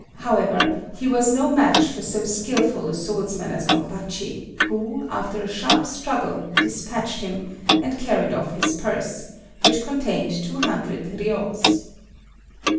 However, he was no match for so skilful a swordsman as Gompachi, who, after a sharp struggle, dispatched him, and carried off his purse, which contained two hundred riyos.